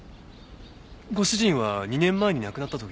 ご主人は２年前に亡くなったと。